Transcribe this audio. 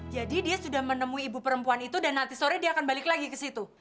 jadi dia sudah menemui ibu perempuan itu dan nanti sore dia akan balik lagi ke situ